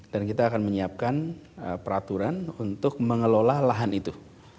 dan kita akan menyiapkan peraturan untuk mengelola lahan itu